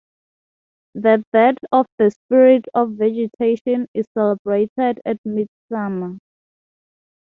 The death of the spirit of vegetation is celebrated at midsummer.